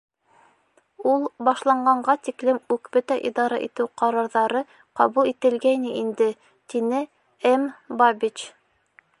Ул башланғанға тиклем үк бөтә идара итеү ҡарарҙары ҡабул ителгәйне инде, — тине М. Бабич.